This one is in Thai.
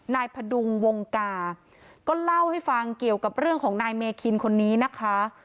พดุงวงกาก็เล่าให้ฟังเกี่ยวกับเรื่องของนายเมคินคนนี้นะคะ